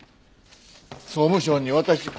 総務省に渡して。